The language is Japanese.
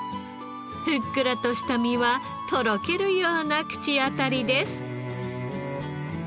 ふっくらとした身はとろけるような口当たりです。